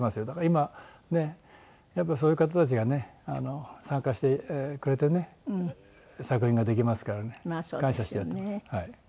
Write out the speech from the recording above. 今ねやっぱそういう方たちがね参加してくれてね作品ができますからね。感謝してやってます。